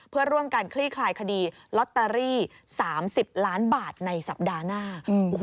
เพื่อร่วมกันคลี่คลายคดีลอตเตอรี่๓๐ล้านบาทในสัปดาห์หน้า